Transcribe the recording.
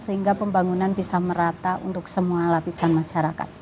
sehingga pembangunan bisa merata untuk semua lapisan masyarakat